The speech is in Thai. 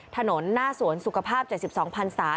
ถนนหน้าสวนสุขภาพ๗๒พันศา